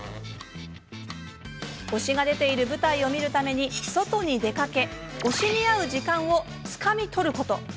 推しが出ている舞台を見るために外に出かけ推しに会う時間をつかみ取ること。